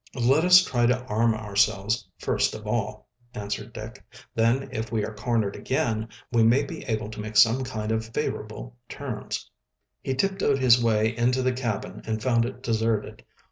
"Let us try to arm ourselves first of all," answered Dick. "Then, if we are cornered again, we may be able to make some kind of favorable terms." He tiptoed his way into the cabin and found it deserted.